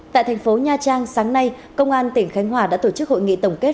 tại thành phố nha trang sáng nay công an tỉnh khánh hòa đã tổ chức hội nghị tổng kết